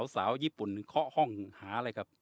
สาวญี่ปุ่นเคาะห้องหาอะไรครับ